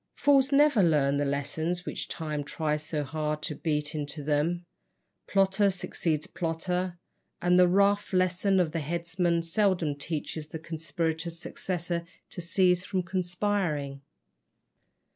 Fools never learn the lessons which Time tries so hard to beat into them. Plotter succeeds plotter, and the rough lesson of the headsman seldom teaches the conspirator's successor to cease from conspiring.